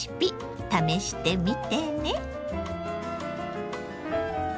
試してみてね。